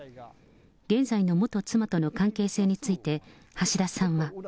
現在の元妻との関係性について、橋田さんは。